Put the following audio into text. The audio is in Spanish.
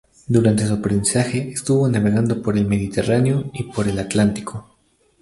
Durante su aprendizaje, estuvo navegando por el Mediterráneo y por el Atlántico.